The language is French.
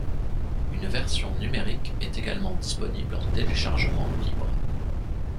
Une version numérique est également disponible en téléchargement libre.